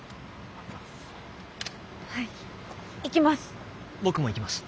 はい行きます。